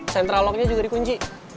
central locknya juga di kunci